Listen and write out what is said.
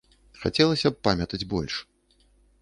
Хацелася б памятаць больш.